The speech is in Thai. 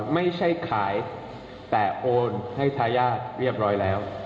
ไม่ใช่ขายแต่โอนให้ทายาทเรียบร้อยแล้ว